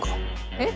えっ！